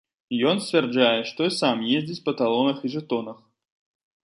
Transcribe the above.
Ён сцвярджае, што сам ездзіць па талонах і жэтонах.